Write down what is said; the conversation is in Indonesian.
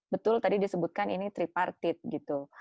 betul tadi disebutkan ini tripartit gitu